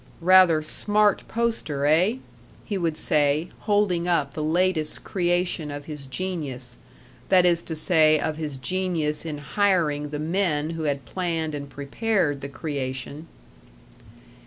"Rather smart poster, eh?" he would say, holding up the latest creation of his genius that is to say, of his genius in hiring the men who had planned and prepared the creation.